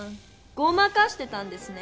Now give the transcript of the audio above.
ごまかしてたんですね。